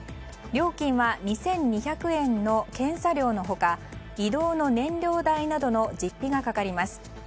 料金は２２００円の検査料の他移動の燃料代などの実費がかかります。